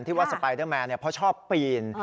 ว่าสไปเดอร์แมนเพราะชอบปีน